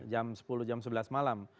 jam sepuluh jam sebelas malam